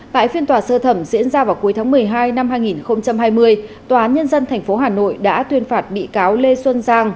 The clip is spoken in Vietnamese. tại phiên tòa sơ thẩm diễn ra vào cuối tháng một mươi hai năm hai nghìn hai mươi tòa án nhân dân tp hà nội đã tuyên phạt bị cáo lê xuân giang